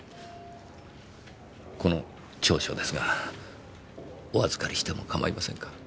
この調書ですがお預かりしてもかまいませんか？